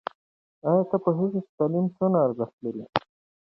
ایا ته پوهېږې چې تعلیم څومره ارزښت لري؟